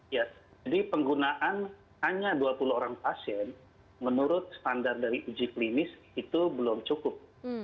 ya jadi penggunaan hanya dua puluh orang pasien menurut standar dari uji klinis itu belum cukup